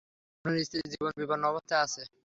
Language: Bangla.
আপনার স্ত্রীর জীবন বিপন্ন অবস্থায় আছে!